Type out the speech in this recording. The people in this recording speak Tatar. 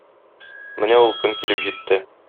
Менә ул көн килеп җитте.